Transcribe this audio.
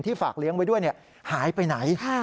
ฝากเลี้ยงไว้ด้วยหายไปไหน